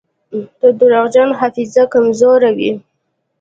د درواغجن حافظه کمزورې وي.